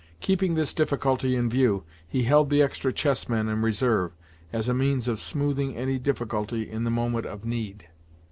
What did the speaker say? Keeping this difficulty in view, he held the extra chessmen in reserve, as a means of smoothing any difficulty in the moment of need.